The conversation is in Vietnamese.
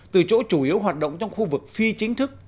từ chỗ chủ yếu hoạt động trong khu vực phi chính thức